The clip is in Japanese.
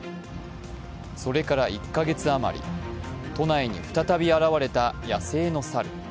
それから１カ月あまり、都内に再び現れた野性の猿。